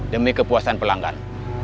demi kepuasan pelanggan